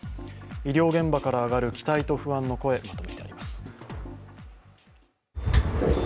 医療現場から上がる期待と不安の声、まとめてあります。